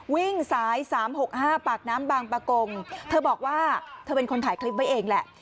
วิ่งสาย๓๖๕ปากน้ำบางประกงเธอบอกว่าเธอเป็นคนถ่ายคลิปไว้เองแหละ